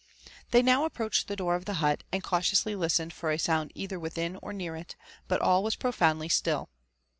They now approached the door of the huf , and cantioasiy listened for a sound either within or near it; but all was^'pfUfoundly atill.